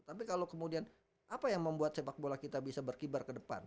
tapi kalau kemudian apa yang membuat sepak bola kita bisa berkibar ke depan